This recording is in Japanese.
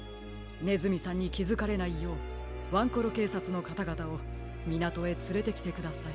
ねずみさんにきづかれないようワンコロけいさつのかたがたをみなとへつれてきてください。